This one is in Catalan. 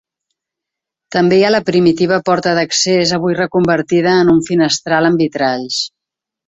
També hi ha la primitiva porta d'accés avui reconvertida en un finestral amb vitralls.